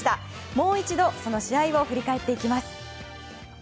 もう一度その試合を振り返っていきます。